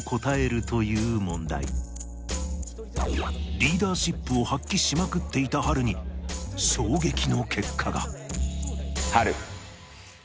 リーダーシップを発揮しまくっていた遼に衝撃の結果が遼。